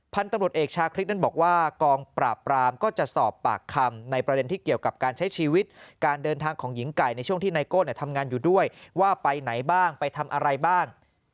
พันธุ์ตำรวจเอกชาคริสนั้นบอกว่ากองปราบปรามก็จะสอบปากคำในประเด็นที่เกี่ยวกับการใช้ชีวิตการเดินทางของหญิงไก่ในช่วงที่ไนโก้ทำงานอยู่ด้วยว่าไปไหนบ้างไปทำอะไรบ้าง